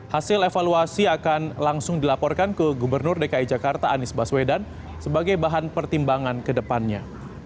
hasil evaluasi akan langsung dilaporkan ke gubernur dki jakarta anies baswedan sebagai bahan pertimbangan ke depannya